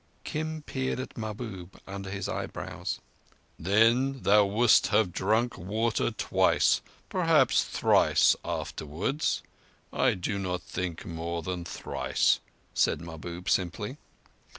Kim peered at Mahbub under his eyebrows. "Then thou wouldst have drunk water twice—perhaps thrice, afterwards. I do not think more than thrice," said Mahbub simply.